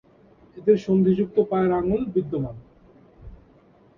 এদের সন্ধি যুক্ত পায়ের আঙুল বিদ্যমান।